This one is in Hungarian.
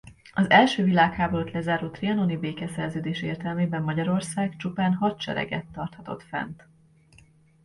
Az első világháborút lezáró trianoni békeszerződés értelmében Magyarország csupán hadsereget tarthatott fent.